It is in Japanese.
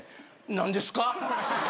何ですか？